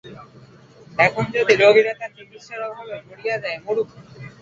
এখন যদি রোগীরা তার চিকিৎসার অভাবে মরিয়া যায়, মরুক।